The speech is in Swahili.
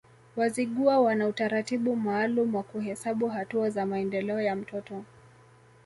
Wazigua wana utaratibu maalum wa kuhesabu hatua za maendeleo ya mtoto